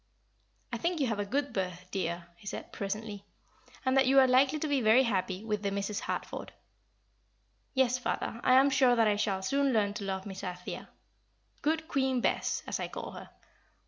"I think you have a good berth, dear," he said, presently, "and that you are likely to be very happy with the Misses Harford." "Yes, father, and I am sure that I shall soon learn to love Miss Althea Good Queen Bess, as I call her.